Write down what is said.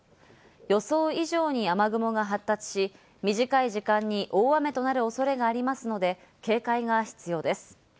予想以上に雨雲が発達し、短い時間に大雨となるおそれがありますので、警戒が必要です。